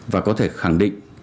và có thể khẳng định